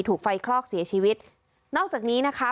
ถูกไฟคลอกเสียชีวิตนอกจากนี้นะคะ